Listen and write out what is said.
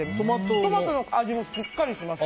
トマトの味もしっかりします。